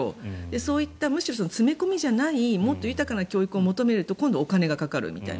そういったむしろ詰め込みじゃないもっと豊かな教育を求めると今度はお金がかかるみたいな。